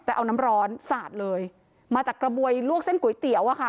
แต่เอาน้ำร้อนสาดเลยมาจากกระบวยลวกเส้นก๋วยเตี๋ยวอะค่ะ